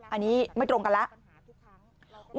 อันนี้ไม่ตรงกันแล้ว